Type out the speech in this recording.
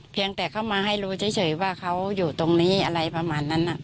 เพียงแต่เข้ามาให้รู้เฉยว่าเขาอยู่ตรงนี้อะไรประมาณนั้น